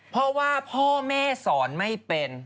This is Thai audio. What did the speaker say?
เพราะว่าพ่อแม่สอนไม่เป็น